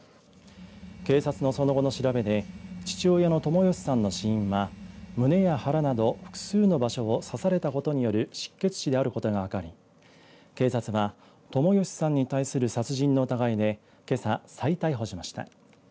警察のその後の調べで父親の友義さんの死因は胸や腹など複数の場所を刺されたことによる失血死であることが分かり警察は、友義さんに対する殺人の疑いでけさ、再逮捕しました。